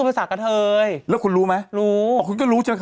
โคกะโหลกคือโขก